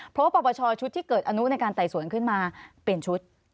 เพราะว่าปปชชุดที่เกิดอนุในการไต่สวนขึ้นมาเปลี่ยนชุด